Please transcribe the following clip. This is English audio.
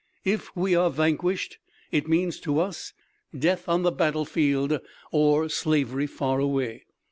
If we are vanquished it means to us death on the battle field, or slavery far away!